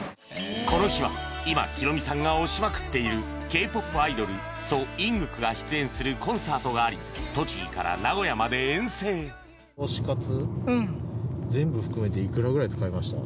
この日は今 Ｈｉｒｏｍｉ さんが推しまくっている Ｋ−ＰＯＰ アイドルソ・イングクが出演するコンサートがあり栃木から名古屋まで遠征推し活全部含めていくらぐらい使いました？